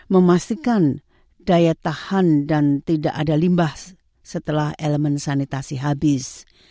memastikan daya tahan dan tidak ada limbah setelah elemen sanitasi habis